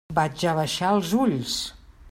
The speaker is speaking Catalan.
Vaig abaixar els ulls.